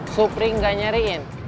supri gak nyariin